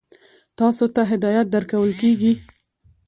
تاسو ته هدایت درکول کېږي.